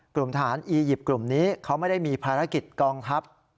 กลุ่มทหารอียิปต์กลุ่มนี้เขาไม่ได้มีภารกิจกองทัพ